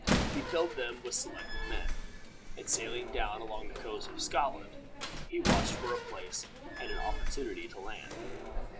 He filled them with selected men, and sailing down along the coast of Scotland, he watched for a place and an opportunity to land.